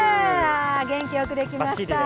元気よくできました。